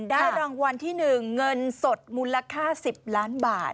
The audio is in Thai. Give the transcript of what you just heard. รางวัลที่๑เงินสดมูลค่า๑๐ล้านบาท